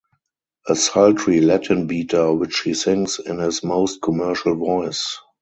A sultry Latin beater which he sings in his most commercial voice.